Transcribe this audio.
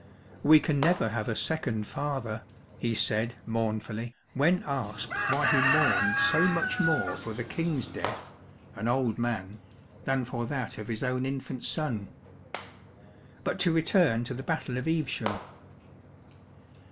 *' We can never have a second father,*' he said, mournfully, when asked why he mourned so much more for the King's death — an old man — ^than for that of his own infant son. But to return to the battle of Evesham.